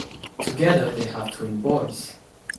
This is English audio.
Together they have twin boys.